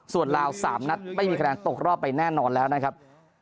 ส่วนลาว๓นัดไม่มีคะแนนตกรอบไปแน่นอนแล้วนะครับ